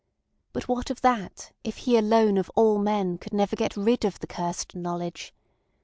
But what of that if he alone of all men could never get rid of the cursed knowledge?